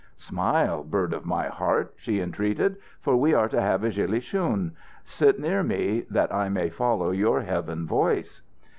"Smile, bird of my heart," she entreated, "for we are to have a gillie shoon. Sit near me, that I may follow your heaven voice."